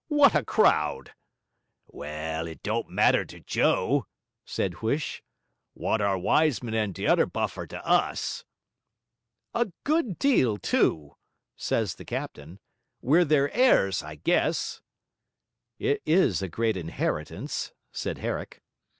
what a crowd!' 'Well, it don't matter to Joe!' said Huish. 'Wot are Wiseman and the t'other buffer to us?' 'A good deal, too,' says the captain. 'We're their heirs, I guess.' 'It is a great inheritance,' said Herrick.